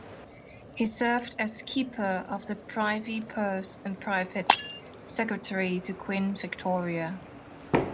He served as Keeper of the Privy Purse and Private Secretary to Queen Victoria.